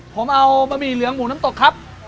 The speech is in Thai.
ผมเอาบะหมี่เหลืองหมูน้ำตกครับ